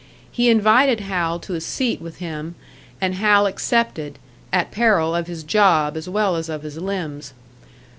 He invited Hal to a seat with him, and Hal accepted, at peril of his job as well as of his limbs.